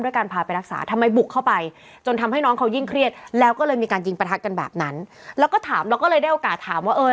การพาไปรักษาทำไมบุกเข้าไปจนทำให้น้องเขายิ่งเครียดแล้วก็เลยมีการยิงประทัดกันแบบนั้นแล้วก็ถามแล้วก็เลยได้โอกาสถามว่าเออ